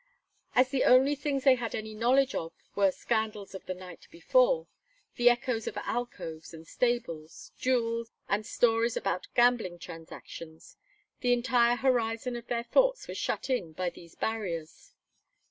As the only things they had any knowledge of were the scandals of the night before, the echoes of alcoves and stables, duels and stories about gambling transactions, the entire horizon of their thoughts was shut in by these barriers.